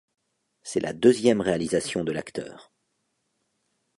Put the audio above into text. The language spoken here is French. C'est la deuxième réalisation de l'acteur.